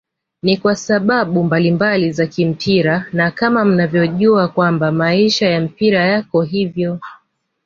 Ni kwasababu mbalimbali za kimpira na kama mnavyojua kwamba maisha ya mpira yako hivyo